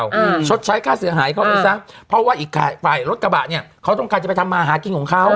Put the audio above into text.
อืมชดใช้ค่าเสียหายเข้าไปซะเพราะว่าอีกฝ่ายฝ่ายรถกระบะเนี้ยเขาต้องการจะไปทำมาหากินของเขา